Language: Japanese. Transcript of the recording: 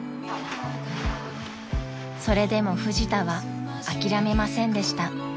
［それでもフジタは諦めませんでした］